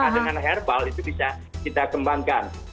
nah dengan herbal itu bisa kita kembangkan